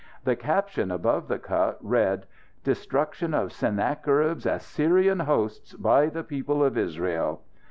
The caption, above the cut, read: _"Destruction of Sennacherib's Assyrian Hosts, by the People of Israel."